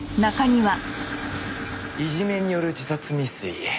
いじめによる自殺未遂。